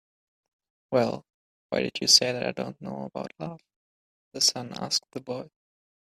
"Well, why did you say that I don't know about love?" the sun asked the boy.